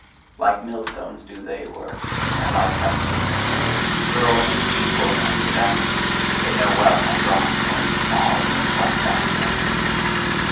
Like millstones do they work, and like pestles: throw only seed corn unto them! they know well how to grind corn small, and make white dust out of it.